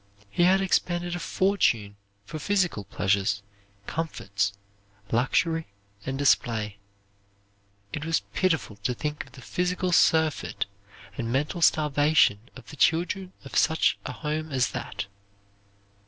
He had expended a fortune for physical pleasures, comforts, luxury, and display. It was pitiful to think of the physical surfeit and mental starvation of the children of such a home as that.